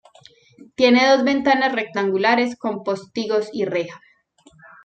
Tiene dos ventanas rectangulares con postigos y reja.